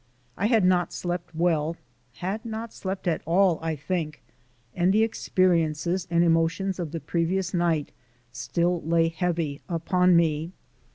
I had not slept well, had not slept at all, I think, and the experiences and emotions of the previous night still lay heavy upon me.